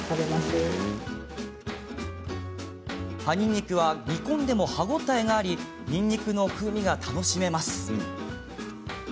葉ニンニクは煮込んでも歯応えがありニンニクの風味が楽しめます。